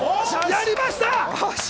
やりました！